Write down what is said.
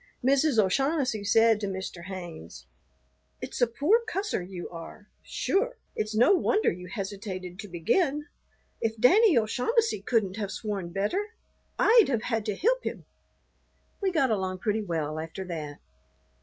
Mrs. O'Shaughnessy said to Mr. Haynes, "It's a poor cusser you are. Sure, it's no wonder you hesitated to begin. If Danny O'Shaughnessy couldn't have sworn better, I'd have had to hilp him." We got along pretty well after that.